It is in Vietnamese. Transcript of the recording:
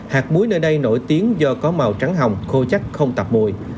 hạt muối nơi đây nổi tiếng do có màu trắng hồng khô chắc không tạp mùi